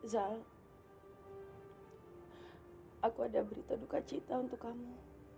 zal aku ada berita duka cita untuk kamu